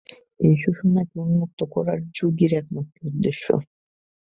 এই সুষুম্নাকে উন্মুক্ত করাই যোগীর একমাত্র উদ্দেশ্য।